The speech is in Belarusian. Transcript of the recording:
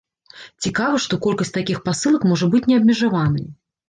Цікава, што колькасць такіх пасылак можа быць неабмежаванай.